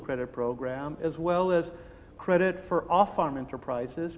serta kredit untuk perusahaan di tanah